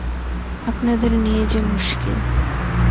আপনাদের নিয়ে যে মুশকিল।